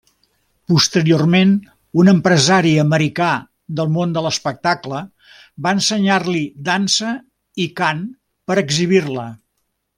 Posteriorment un empresari americà del món de l'espectacle va ensenyar-li dansa i cant per exhibir-la.